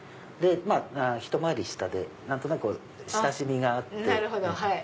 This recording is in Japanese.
ひと回り下で何となく親しみがあって。